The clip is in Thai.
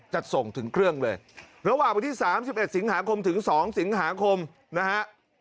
จัดส่งถึงเครื่องเลยระหว่างวันที่๓๑สิงหาคมถึง๒สิงหาคมนะฮะ